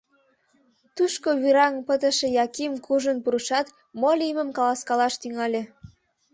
Тушко вӱраҥ пытыше Яким куржын пурышат, мо лиймым каласкалаш тӱҥале.